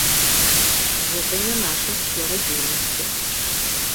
Гэта не наша сфера дзейнасці.